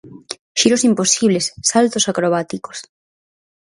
Xiros imposibles, saltos acrobáticos.